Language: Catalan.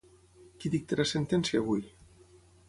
Qui dictarà sentència avui?